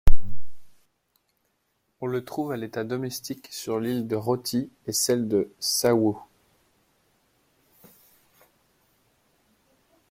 On le trouve à l'état domestique sur l'île de Roti et celle de Sawu.